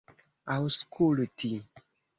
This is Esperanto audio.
aŭskulti